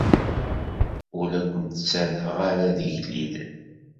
Ur la ken-ttarraɣ ara d igellilen.